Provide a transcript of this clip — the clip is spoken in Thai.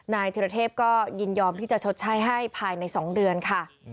ธิรเทพก็ยินยอมที่จะชดใช้ให้ภายใน๒เดือนค่ะ